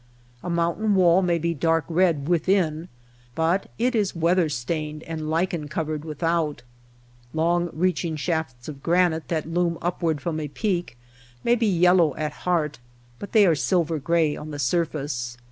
A mountain wall may be dark red with in, but it is weather stained and lichen covered without; long reaching shafts of granite that loom upward from a peak may be yellow at heart but they are silver gray on the surface.